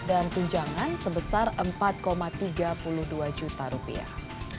dan tunjangan sebesar empat tiga puluh dua juta rupiah